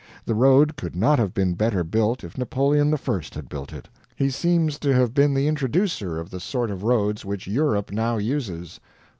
The road could not have been better built if Napoleon the First had built it. He seems to have been the introducer of the sort of roads which Europe now uses.